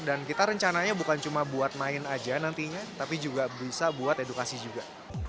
dan kita rencananya bukan cuma buat main aja nantinya tapi juga bisa buat edukasi juga